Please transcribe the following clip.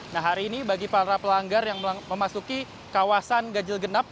nah hari ini bagi para pelanggar yang memasuki kawasan ganjil genap